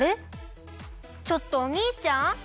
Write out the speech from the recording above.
ちょっとおにいちゃん？